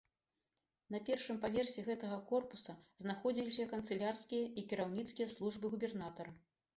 На першым паверсе гэтага корпуса знаходзіліся канцылярскія і кіраўніцкія службы губернатара.